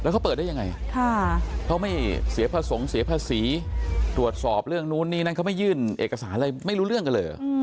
เขาไม่เสียผสงเสียภาษีตรวจสอบเรื่องนู้นนี่นั่นเขาไม่ยื่นเอกสารอะไรไม่รู้เรื่องกันเลย